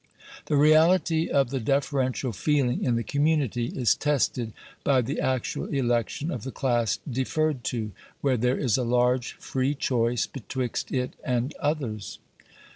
The reality of the deferential feeling in the community is tested by the actual election of the class deferred to, where there is a large free choice betwixt it and others.